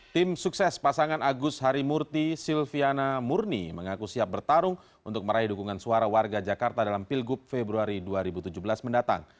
tim sukses pasangan agus harimurti silviana murni mengaku siap bertarung untuk meraih dukungan suara warga jakarta dalam pilgub februari dua ribu tujuh belas mendatang